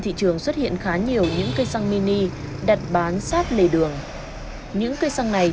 thị trường xuất hiện khá nhiều những cây xăng mini đặt bán sát lề đường những cây xăng này